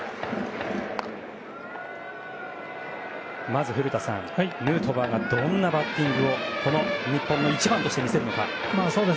まず古田さん、ヌートバーがどんなバッティングをこの日本の１番として見せるのか。